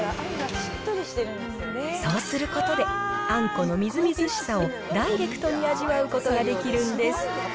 そうすることで、あんこのみずみずしさをダイレクトに味わうことができるんです。